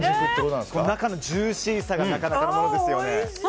中のジューシーさがなかなかのものですよね。